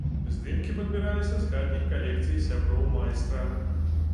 Здымкі падбіраліся з хатніх калекцый сяброў майстра.